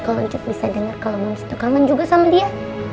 kalau jut bisa denger kalo mams tuh kangen juga sama dia